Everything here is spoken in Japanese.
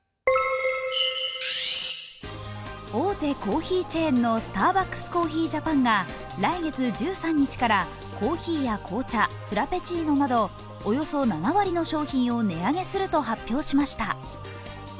大手コーヒーチェーンのスターバックスコーヒージャパンが来月１３日からコーヒーや紅茶、フラペチーノなどおよそ７割の商品を値上げすると発表しました。